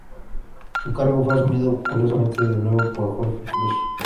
Su cargo fue asumido, curiosamente, de nuevo por Jorge Cruz.